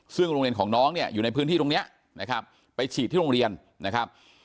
ซึ่งโรงเรียนของน้องเนี่ยอยู่ในพื้นที่ตรงนี้นะครับไปฉีดที่โรงเรียนนะครับ